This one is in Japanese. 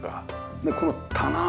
でこの棚